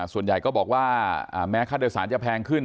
ส่วนใหญ่ก็บอกว่าแม้ค่าโดยสารจะแพงขึ้น